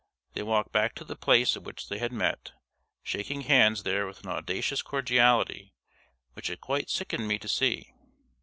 They walked back to the place at which they had met, shaking hands there with an audacious cordiality which it quite sickened me to see.